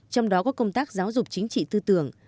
trong đó có công tác giáo dục chính trị tư tưởng